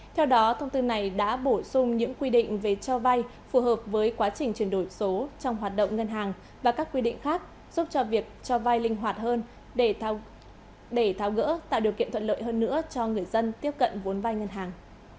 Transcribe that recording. theo đó thông tư này đã bổ sung những quy định về cho vay phù hợp với quá trình chuyển đổi số trong hoạt động ngân hàng và các quy định khác giúp cho việc cho vai linh hoạt hơn để tháo gỡ tạo điều kiện thuận lợi hơn nữa cho người dân tiếp cận vốn vai ngân hàng